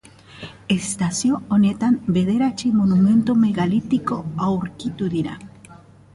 Estazio honetan bederatzi monumentu megalitiko aurkitu dira.